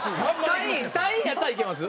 ３位やったらいけます？